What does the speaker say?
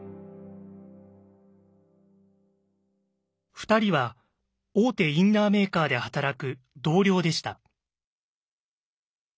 ２人は大手インナーメーカーで働く同僚でした。